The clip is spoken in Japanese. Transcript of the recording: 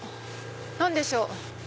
何でしょう？